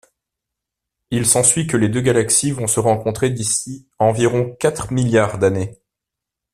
Il s'ensuit que les deux galaxies vont se rencontrer d'ici environ quatre milliards d'années.